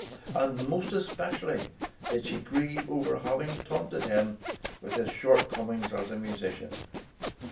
And most especi ally did she grieve over having taunted him with his shortcomings as a musician.